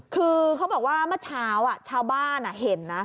คือเขาบอกว่าเมื่อเช้าชาวบ้านเห็นนะ